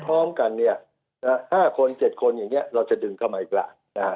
พร้อมกันเนี่ย๕คน๗คนอย่างนี้เราจะดึงเข้ามาอีกแล้ว